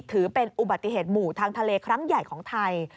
ถือเป็นอุบัติเหตุหมู่ทางทะเลครั้งใหญ่ของไทย